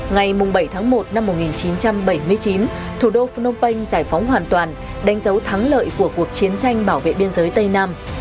ngày bảy tháng một năm một nghìn chín trăm bảy mươi chín thủ đô phnom penh giải phóng hoàn toàn đánh dấu thắng lợi của cuộc chiến tranh bảo vệ biên giới tây nam